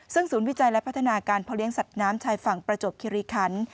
ซึ่งศูนย์วิจัยและพัฒนาการเพาเลี้ยสัตว์น้ำชายฝั่งประจวบคิริคัน